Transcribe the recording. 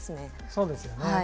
そうですよね。